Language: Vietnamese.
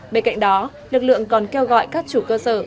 bên cạnh đó lực lượng còn kêu gọi các chủ cơ sở